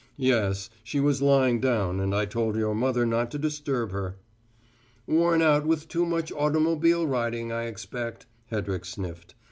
"Yes. She was lying down and I told your mother not to disturb her." "Worn out with too much automobile riding, I expect," Hedrick sniffed.